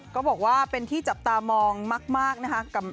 ก็บอกว่าเป็นที่จับตามองมากนะคะ